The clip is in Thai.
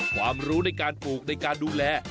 ความรู้ในการปลูกในการดูแล